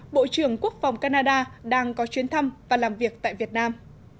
bộ trưởng quốc phòng canada đang có chuyến thăm và làm việc tại việt nam